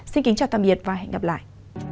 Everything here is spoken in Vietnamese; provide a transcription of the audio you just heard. xin kính chào tạm biệt và hẹn gặp lại